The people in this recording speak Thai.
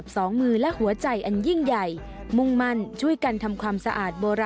สวัสดีครับ